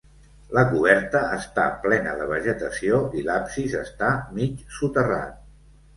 La coberta està plena de vegetació i l'absis està mig soterrat.